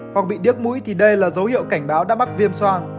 hoặc bị điếc mũi thì đây là dấu hiệu cảnh báo đã mắc viêm soang